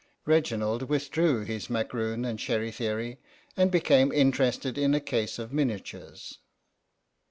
Reginald withdrew his macaroon and sherry theory, and became interested in a case of miniatures.